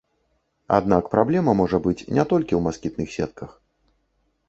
Аднак праблема можа быць не толькі ў маскітных сетках.